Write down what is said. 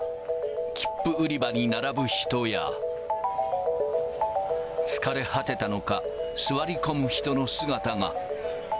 切符売り場に並ぶ人や疲れ果てたのか、座り込む人の姿が。